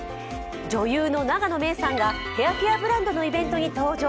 女優の永野芽郁さんがヘアケアブランドのイベントに登場。